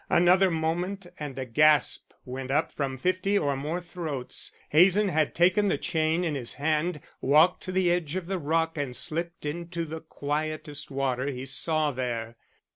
Another moment and a gasp went up from fifty or more throats. Hazen had taken the chain in his hand, walked to the edge of the rock and slipped into the quietest water he saw there.